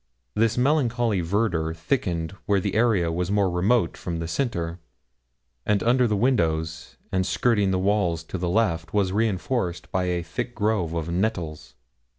This melancholy verdure thickened where the area was more remote from the centre; and under the windows, and skirting the walls to the left, was reinforced by a thick grove of nettles.